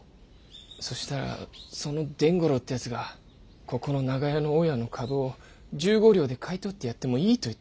そしたらその伝五郎ってやつがここの長屋の大家の株を十五両で買い取ってやってもいいと言ったらしいんでえ。